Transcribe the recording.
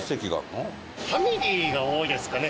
ファミリーが多いですかね